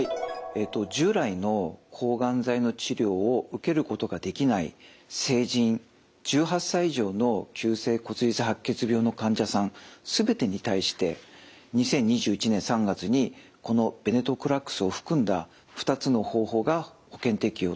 従来の抗がん剤の治療を受けることができない成人１８歳以上の急性骨髄性白血病の患者さん全てに対して２０２１年３月にこのベネトクラクスを含んだ２つの方法が保険適用となりました。